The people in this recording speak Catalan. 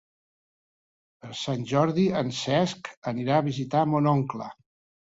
Per Sant Jordi en Cesc anirà a visitar mon oncle.